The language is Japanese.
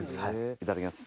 いただきます。